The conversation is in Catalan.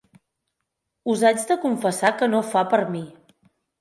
Us haig de confessar que no fa per mi